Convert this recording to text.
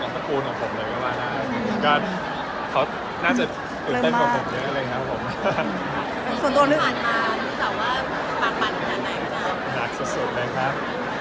จนโตตัวหนึ่งคำสั่งมาดีต่อว่าว่าปากปัดแหละไหมครับ